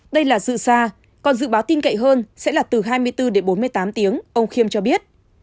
đây là sự xa còn dự báo tin cậy hơn sẽ là từ hai mươi bốn đến bốn mươi tám tiếng ông khiêm cho biết